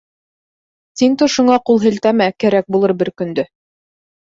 Тиң-тошоңа ҡул һелтәмә, кәрәк булыр бер көндө.